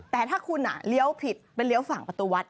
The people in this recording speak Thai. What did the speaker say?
แต่ถ้าคุณเลี้ยวผิดไปเลี้ยวฝั่งประตูวัด